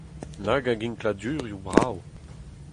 Nag a ginkladurioù brav !